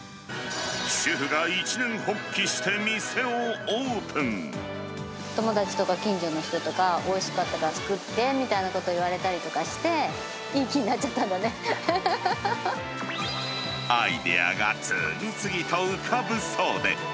主婦が一念発起して店をオー友達とか近所の人とか、おいしかったから作ってみたいなこと言われたりして、いい気になアイデアが次々と浮かぶそうで。